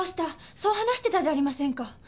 そう話してたじゃありませんか。